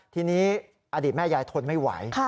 ทีนี้อดีตแม่ยายทนไม่ไหว